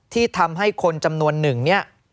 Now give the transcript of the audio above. ที่ทำให้คนจำนวนหนึ่งเนี่ย